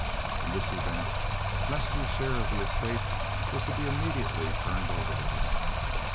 In this event Lester's share of the estate was to be immediately turned over to him.